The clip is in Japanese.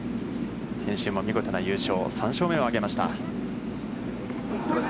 先週も見事な優勝、３勝目を挙げました。